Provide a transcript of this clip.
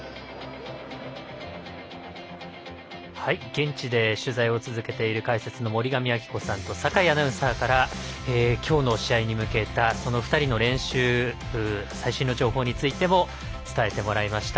現地で取材を続けている解説の森上亜希子さんと酒井アナウンサーから今日の試合に向けた２人の練習最新の情報についても伝えてもらいました。